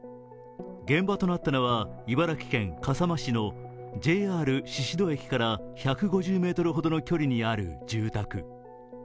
現場となったのは茨城県笠間市のＪＲ宍戸駅から１５０ｍほどの距離にある住宅。